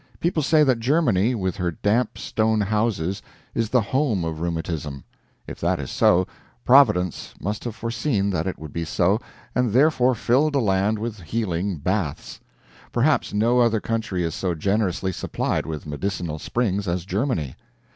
People say that Germany, with her damp stone houses, is the home of rheumatism. If that is so, Providence must have foreseen that it would be so, and therefore filled the land with the healing baths. Perhaps no other country is so generously supplied with medicinal springs as Germany.